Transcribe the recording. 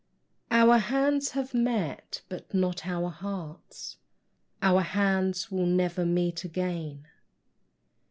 Our hands have met, but not our hearts; Our hands will never meet again.